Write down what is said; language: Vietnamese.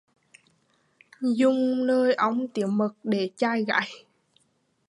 Dùng lời ong tiếng mật để chài gái